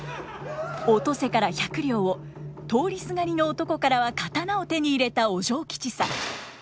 おとせから百両を通りすがりの男からは刀を手に入れたお嬢吉三。